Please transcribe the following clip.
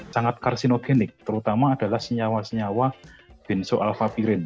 sangat karsinogenik terutama adalah senyawa senyawa benzoalfapirin